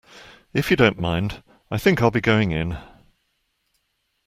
If you don't mind, I think I'll be going in.